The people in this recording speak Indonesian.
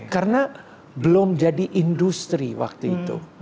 karena belum jadi industri waktu itu